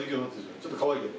ちょっとかわいいけど。